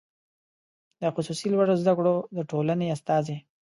د خصوصي لوړو زده کړو د ټولنې استازی